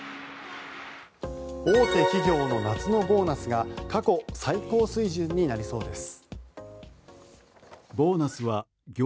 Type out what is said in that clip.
大手企業の夏のボーナスが過去最高水準になりそうです。